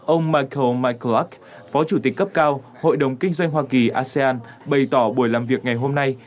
ông mikeo mikelak phó chủ tịch cấp cao hội đồng kinh doanh hoa kỳ asean bày tỏ buổi làm việc ngày hôm nay